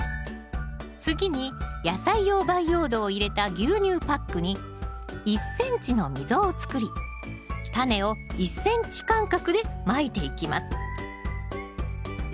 次に野菜用培養土を入れた牛乳パックに１ｃｍの溝を作りタネを１ｃｍ間隔でまいていきます。